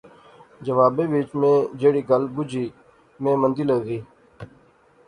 جوابے وچ میں جہیڑی گل بجی میں مندی لغی